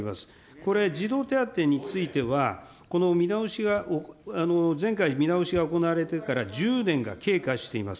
これ、児童手当については、この見直しが、前回見直しが行われてから１０年が経過しています。